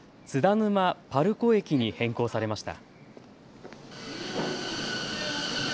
ぬまパルコ駅に変更されました。